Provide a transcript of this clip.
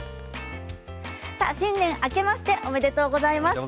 新年明けましておめでとうございます。